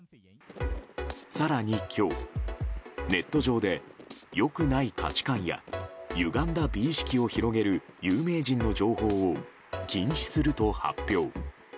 更に今日、ネット上で良くない価値観やゆがんだ美意識を広げる有名人の情報を禁止すると発表。